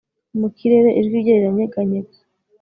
Mu kirere ijwi rye riranyeganyega